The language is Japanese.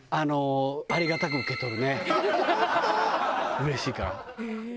うれしいから。